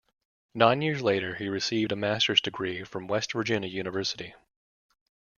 Nine years later he received a master's degree from West Virginia University.